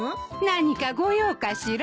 何かご用かしら？